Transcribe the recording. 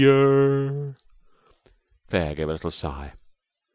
Claire gave a little sigh.